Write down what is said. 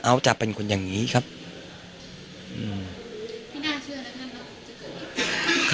เอาจะเป็นคนอย่างนี้ครับอืมที่น่าเชื่อแล้วท่านครับ